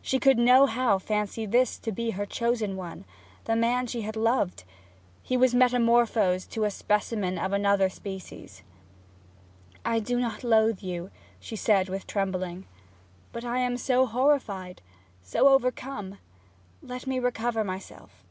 She could nohow fancy this to be her chosen one the man she had loved; he was metamorphosed to a specimen of another species. 'I do not loathe you,' she said with trembling. 'But I am so horrified so overcome! Let me recover myself.